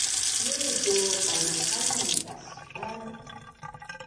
nitu qalmangqalmang tasban